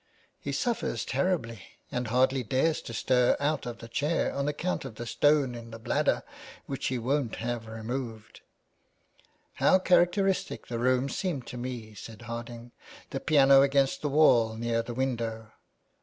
" He suffers terribly, and hardly dares to stir out of 410 THE WAY BACK. that chair on account of the stone in the bladder, which he won't have removed." " How characteristic the room seemed to me," said Harding. "The piano against the wall near the window."